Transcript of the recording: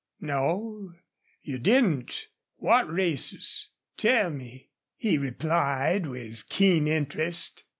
"No, you didn't. What races? Tell me," he replied, with keen interest.